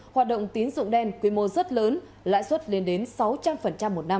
hoạt động tín dụng đen quy mô rất lớn lãi suất lên đến sáu trăm linh một năm